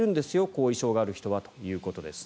後遺症がある人はということです。